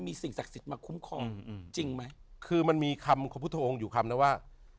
มีสิ่งศักดิ์สิทธิ์มาคุ้มครองจริงไหมคือมันมีคำของพุทธองค์อยู่คำนึงว่า